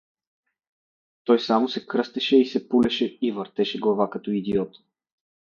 Той само се кръстеше и се пулеше, и въртеше глава като идиот.